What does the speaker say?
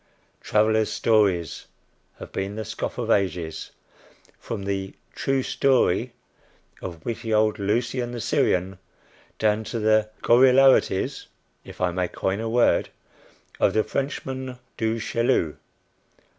"Travellers' stories" have been the scoff of ages, from the "True Story" of witty old Lucian the Syrian down to the gorillarities if I may coin a word of the Frenchman Du Chaillu.